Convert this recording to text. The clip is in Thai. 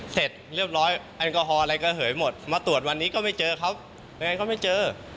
เสร็จเรียบร้อยแอลกอฮอลอะไรก็เหยหมดมาตรวจวันนี้ก็ไม่เจอเขายังไงก็ไม่เจอ